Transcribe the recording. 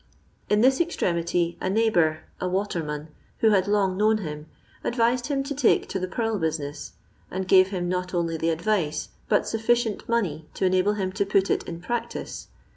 In this extremity a neighbour, a waterman, who had long known him, advised him to take to the purl business, and gave him not only the advice, but sufficient money to enable him to put it in practice.